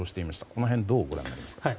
この辺をどうご覧になりますか？